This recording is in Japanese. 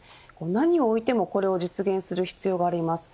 何を置いても、これを実現する必要があります。